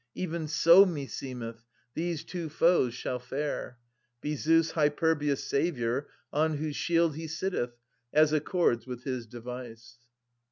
Even so, meseemeth, these two foes shall fare. Be Zeus Hyperbius' saviour, on whose shield He sitteth, as accords with his device.